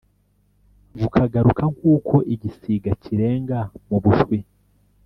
bukaguruka nk’uko igisiga kirenga mu bushwi